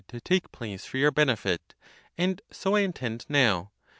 to take place for your benefit, and so I intend now